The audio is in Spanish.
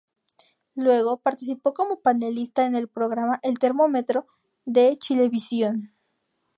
Luego, participó como panelista en el programa "El termómetro" de Chilevisión.